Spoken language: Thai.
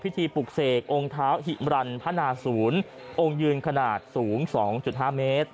ปลูกเสกองค์เท้าหิมรันพนาศูนย์องค์ยืนขนาดสูง๒๕เมตร